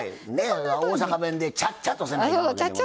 大阪弁でちゃっちゃとせなあかん。